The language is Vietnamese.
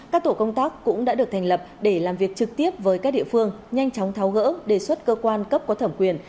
các tổ công tác cũng đã được thành lập để làm việc trực tiếp với các địa phương nhanh chóng tháo gỡ đề xuất cơ quan cấp có thẩm quyền